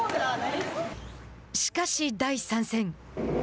しかし、第３戦。